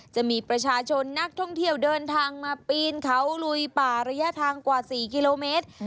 จะมีประชาชนนักท่องเที่ยวเดินทางมาปีนเขาลุยป่าระยะทางกว่า๔กิโลเมตร